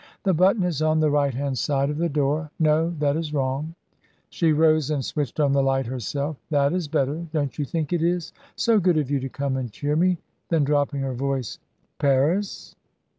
The button is on the right hand side of the door. No; that is wrong!" She rose and switched on the light herself. "That is better! Don't you think it is? So good of you to come and cheer me!" Then, dropping her voice, "Paris?"